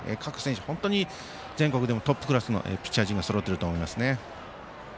各選手、本当に全国でもトップクラスのピッチャー陣がそろってると思います。